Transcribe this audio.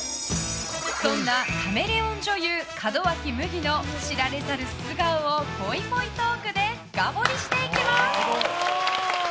そんなカメレオン女優・門脇麦の知られざる素顔をぽいぽいトークで深掘りしていきます。